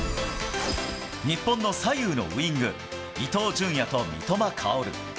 日本の左右のウイング、伊東純也と三笘薫。